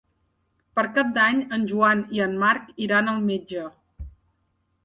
Per Cap d'Any en Joan i en Marc iran al metge.